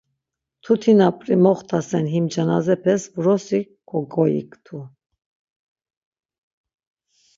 Mtutina p̌ri moxt̆asen him cezenapes vrosi kogoyiktu.